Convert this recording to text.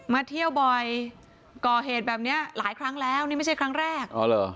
มาเที่ยวบ่อยก่อเหตุแบบนี้หลายครั้งแล้วนี่ไม่ใช่ครั้งแรกอ๋อเหรอ